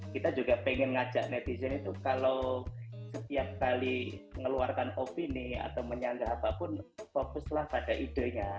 kita juga pengen ngajak netizen itu kalau setiap kali mengeluarkan opini atau menyanggah apapun fokuslah pada idenya